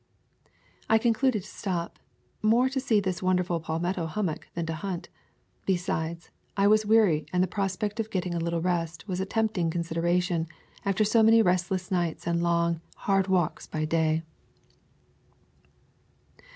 I concluded to stop — more to see this won derful palmetto hummock than to hunt. Be sides, I was weary and the prospect of getting a little rest was a tempting consideration after so many restless nights and long, hard walks by day.